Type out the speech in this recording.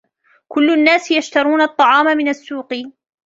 كل الناس يشترون الطعام من السوق.